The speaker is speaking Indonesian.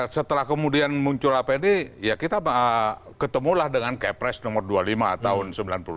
setelah kemudian muncul apd ya kita ketemulah dengan kepres nomor dua puluh lima tahun seribu sembilan ratus sembilan puluh delapan